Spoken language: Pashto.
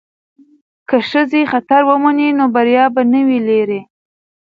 که ښځې خطر ومني نو بریا به نه وي لرې.